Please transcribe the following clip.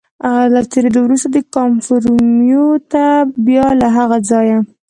له تېرېدو وروسته کاموفورمیو ته، بیا له هغه ځایه.